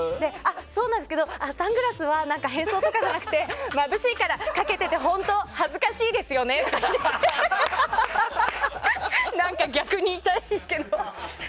そうなんですけどサングラスは変装じゃなくてまぶしいからかけてて本当恥ずかしいですよねって何か逆に痛いけど。